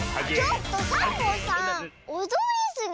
ちょっとサボさんおどりすぎ！